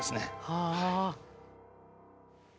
はあ。